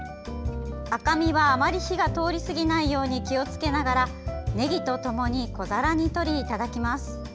赤身はあまり火が通りすぎないように気をつけながらねぎとともに、小皿にとりいただきます。